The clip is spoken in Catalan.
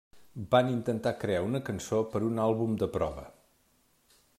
Van intentar crear una cançó per un àlbum de prova.